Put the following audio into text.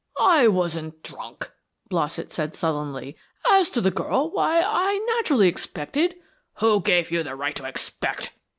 "I wasn't drunk," Blossett said sullenly. "As to the girl, why, I naturally expected " "Who gave you the right to expect?"